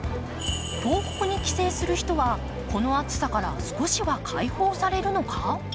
東北に帰省する人はこの暑さから少しは解放されるのか。